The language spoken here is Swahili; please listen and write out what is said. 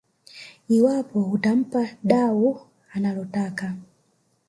iwapo itampa dau analotaka